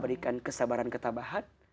berikan kesabaran ketabahan